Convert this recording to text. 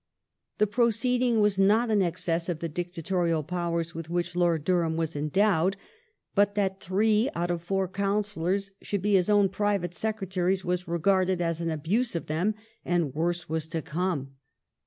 ^ The proceeding was not in excess of the dictatorial powers with which Lord Durham was endowed ; but that three out of four Councillors should be his own private Secretaries was regarded as an abuse of them, and worse was to come.